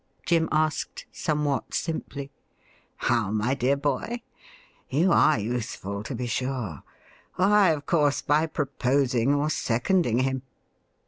Jim asked, somewhat simply, ' How, my dear boy .'' You are youthful, to be sure ! Why, of course, by proposing or seconding him.'